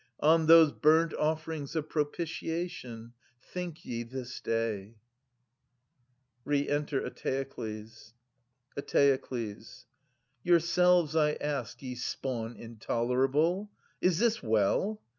On those bumt oflFerings of propitiation 180 Think ye this day ! Re enter Eteokles. Etbokles. Yourselves 1 ask, ye spawn intolerable. Is this well